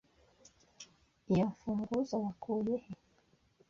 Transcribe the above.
Iyo mfunguzo wakuye he?